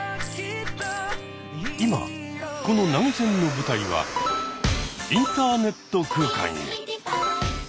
今この投げ銭の舞台はインターネット空間へ。